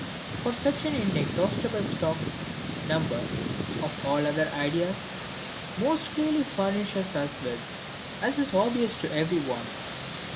For such an inexhaustible stock, number (of all other our ideas) most clearly furnishes us with, as is obvious to every one.